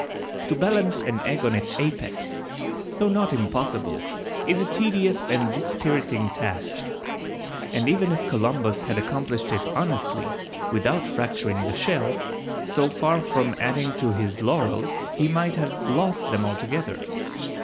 To balance an egg on its apex—though not impossible, is a tedious and dispiriting task; and even if Columbus had accomplished it honestly without fracturing the shell, so far from adding to his laurels he might have lost them altogether.